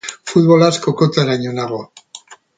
Futbolaz kokoteraino nago.